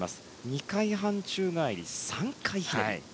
２回半宙返り、３回ひねり。